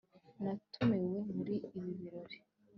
Natumiwe muri ibi birori